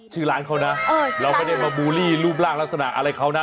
ชื่อร้านเขานะเราไม่ได้มาบูลลี่รูปร่างลักษณะอะไรเขานะ